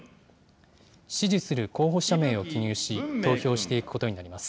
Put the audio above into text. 支持する候補者名を記入し、投票していくことになります。